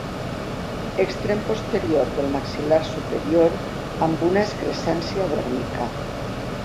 Extrem posterior del maxil·lar superior amb una excrescència dèrmica.